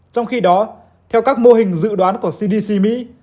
trong khi đó theo các mô hình dự đoán của cdc mỹ